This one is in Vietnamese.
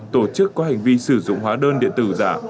tổ chức có hành vi sử dụng hóa đơn điện tử giả